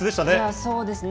そうですね。